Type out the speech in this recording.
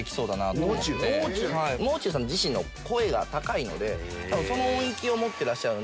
「もう中」さん自身の声が高いので多分その音域を持ってらっしゃるんで。